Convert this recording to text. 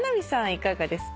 いかがですか？